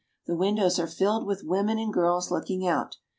The windows are filled with women and girls looking out.